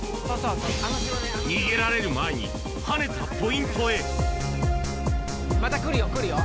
逃げられる前に跳ねたポインまた来るよ、来るよ。